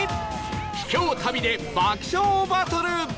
秘境旅で爆笑バトル！